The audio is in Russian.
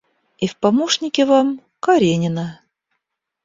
И в помощники вам — Каренина.